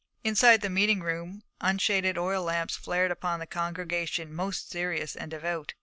Inside the meeting room, unshaded oil lamps flared upon a congregation most serious and devout.